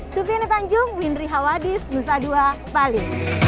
supriya netanjung windri hawadis nusa dua bali